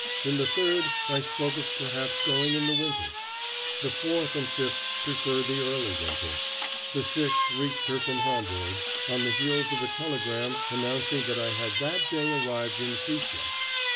In the third I spoke of perhaps going in the winter. The fourth and fifth preferred the early winter. The sixth reached her from Hamburg, on the heels of a telegram announcing that I had that day arrived in Frisia.